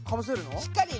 しっかりね！